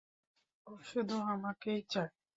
ও শুধু আমাকেই চায়।